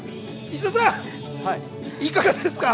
石田さん、いかがですか？